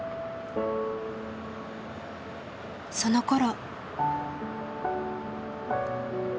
そのころ。